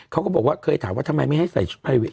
เขาก็บอกว่าเคยถามว่าทำไมไม่ให้ใส่ชุดไพร